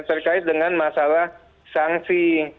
terkait dengan masalah sangsi